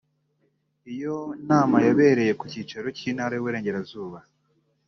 Iyo nama yabereye ku cyicaro cy’Intara y’Iburengerazuba